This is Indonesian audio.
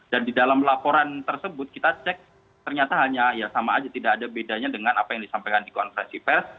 dan di dalam laporan tersebut kita cek ternyata hanya ya sama aja tidak ada bedanya dengan apa yang disampaikan di konfesi pes